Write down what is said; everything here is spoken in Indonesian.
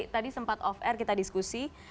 tadi sempat off air kita diskusi